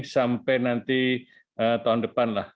sampai nanti tahun depan lah